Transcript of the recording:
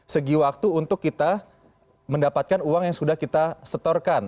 segi waktu untuk kita mendapatkan uang yang sudah kita setorkan